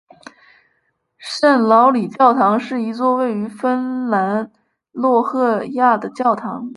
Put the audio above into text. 圣劳里教堂是一座位于芬兰洛赫亚的教堂。